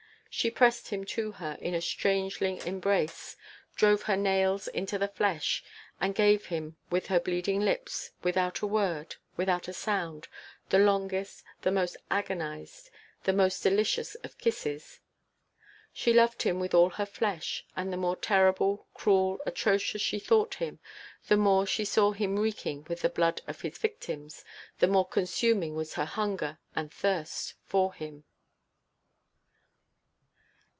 She pressed him to her in a strangling embrace, drove her nails into the flesh, and gave him with her bleeding lips, without a word, without a sound, the longest, the most agonized, the most delicious of kisses. She loved him with all her flesh, and the more terrible, cruel, atrocious she thought him, the more she saw him reeking with the blood of his victims, the more consuming was her hunger and thirst for him.